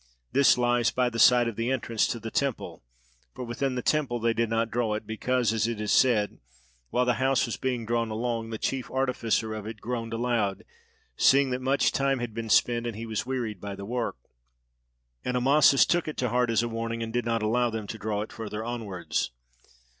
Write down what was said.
This lies by the side of the entrance to the temple; for within the temple they did not draw it, because, as it is said, while the house was being drawn along, the chief artificer of it groaned aloud, seeing that much time had been spent and he was wearied by the work; and Amasis took it to heart as a warning and did not allow them to draw it further onwards.